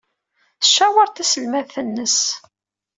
Tcaweṛ taselmadt-nnes.